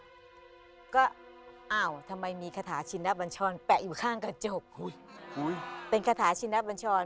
ทนมาว่าทำไมมีขะหาขนนักบัญชรแปะอยู่ข้างกระจก